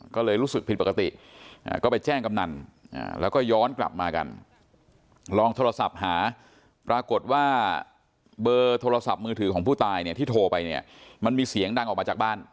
ก็เลยรู้สึกผิดปกติก็ไปแจ้งกำนันแล้วก็ย้อนกลับมากันลองโทรศัพท์หาปรากฏว่าเบอร์โทรศัพท์มือถือของผู้ตายเนี่ยที่โทรไปเนี่ยมันมีเสียงดังออกมาจากบ้าน